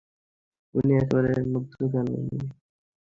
উনি এসবের মধ্যে কেন?